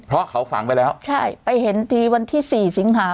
เพราะเขาฝังไปแล้วใช่ไปเห็นทีวันที่สี่สิงหา